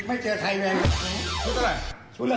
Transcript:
ไม่เจอใครไงครับ